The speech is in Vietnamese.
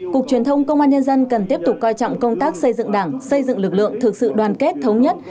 cục truyền thông công an nhân dân cần tiếp tục coi trọng công tác xây dựng đảng xây dựng lực lượng thực sự đoàn kết thống nhất